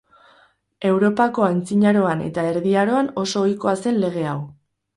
Europako Antzinaroan eta Erdi Aroan oso ohikoa zen lege hau.